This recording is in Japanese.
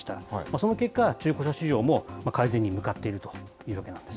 その結果、中古車市場も改善に向かっているというわけなんです。